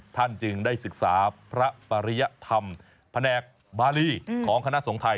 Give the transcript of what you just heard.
ท่านจึงได้ศึกษาพระปริยธรรมแผนกบารีของคณะสงฆ์ไทย